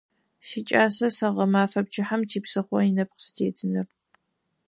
СикӀас сэ гъэмэфэ пчыхьэм типсыхъо инэпкъ сытетыныр.